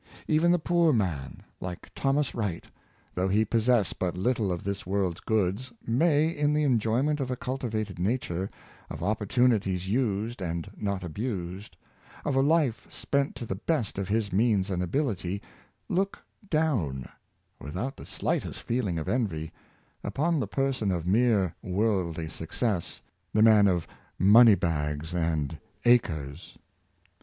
Even the poor man, like Thomas Wright, though he possess but little of this world's goods, may, in the enjoyment of a cultivated nature, of opportunities used and not abused, of a life spent to the best of his means and abil ity, look down, without the slightest feeling of envy, upon the person of mere worldly success, the man of money bags and acres.